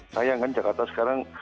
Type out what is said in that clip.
sayang kan jakarta sekarang